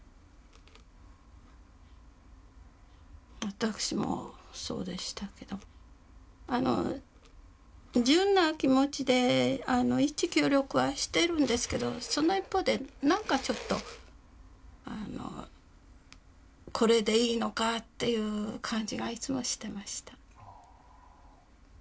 私もそうでしたけどあの純な気持ちで一致協力はしてるんですけどその一方で何かちょっとあのこれでいいのかっていう感じがいつもしてました。